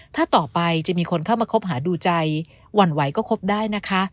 ถ้าต่อไปจะมีคนเข้ามาคบหาดูใจหวั่นไหวก็คบได้นะคะ